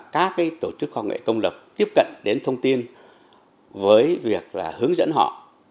các tổ chức khoa học công lập tiếp cận đến thông tin với việc là hướng dẫn họ